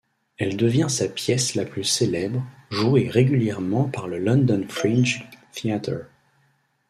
Elle devient sa pièce la plus célèbre, jouée régulièrement par le London fringe theatre.